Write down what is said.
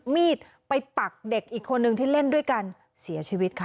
มีดไปปักเด็กอีกคนนึงที่เล่นด้วยกันเสียชีวิตค่ะ